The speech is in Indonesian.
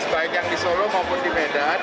baik yang di solo maupun di medan